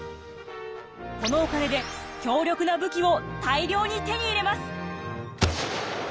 このお金で強力な武器を大量に手に入れます！